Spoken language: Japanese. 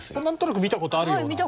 何となく見たことあるような。